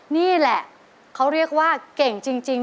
นี่แหละเขาเรียกว่าเก่งจริง